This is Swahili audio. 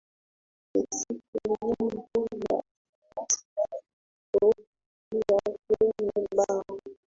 Meksiko Jimbo la Alaska liko pia kwenye bara